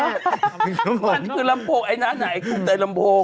มันคือลำโพงไอ้หน้าไหนคือในลำโพง